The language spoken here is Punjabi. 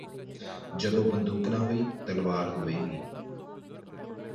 ਜਦੋਂ ਬੰਦੂਕ ਨਾ ਹੋਈ ਤਲਵਾਰ ਹੋਵੇਗੀ